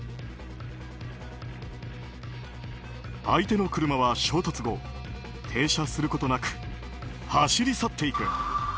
相手の車は、衝突後停車することなく走り去っていく。